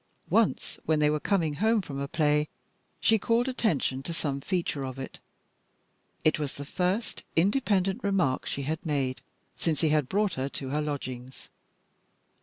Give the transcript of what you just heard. Once, when they were coming home from a play, she called attention to some feature of it. It was the first independent remark she had made since he had brought her to her lodgings.